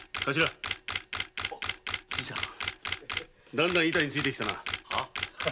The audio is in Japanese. だんだん板についてきたな。